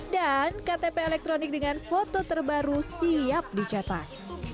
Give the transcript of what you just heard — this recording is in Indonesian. dan ktp elektronik dengan foto terbaru siap dicetak